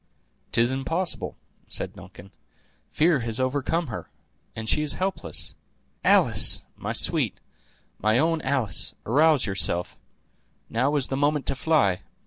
"'Tis impossible!" said Duncan; "fear has overcome her, and she is helpless. Alice! my sweet, my own Alice, arouse yourself; now is the moment to fly.